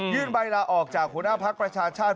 ใบลาออกจากหัวหน้าภักดิ์ประชาชาติ